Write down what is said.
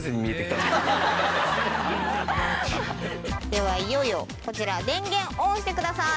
ではいよいよこちら電源オンしてください！